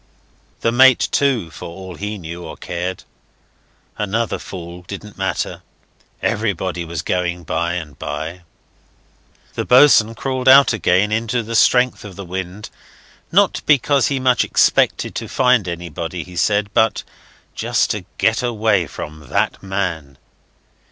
The mate, too, for all he knew or cared. Another fool. Didn't matter. Everybody was going by and by. The boatswain crawled out again into the strength of the wind; not because he much expected to find anybody, he said, but just to get away from "that man."